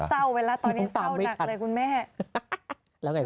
เศร้าไปแล้วตอนนี้เศร้านักเลยคุณแม่